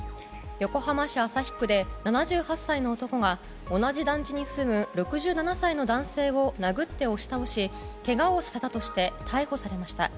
横浜市旭区で７８歳の男が同じ団地に住む６７歳の男性を殴って押し倒しけがをさせたとして逮捕されました。